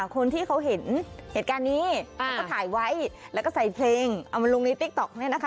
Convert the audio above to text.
คนที่เขาเห็นเหตุการณ์นี้เขาก็ถ่ายไว้แล้วก็ใส่เพลงเอามาลงในติ๊กต๊อกเนี่ยนะคะ